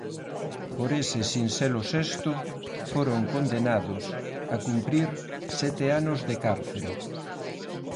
Por ese sinxelo xesto foron condenados a cumprir sete anos de cárcere.